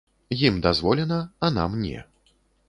Ім дазволена, а нам не.